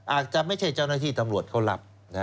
อาจจะไม่ใช่เจ้าหน้าที่ตำรวจเขารับ